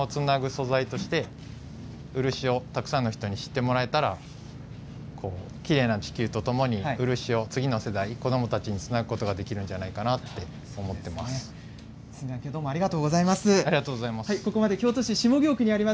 漆をたくさんの人に知ってもらいたいなときれいな地球とともに漆を次の世代、子どもたちにつなぐことができるんじゃないか京都市下京区にあります